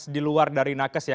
di luar dari nakes ya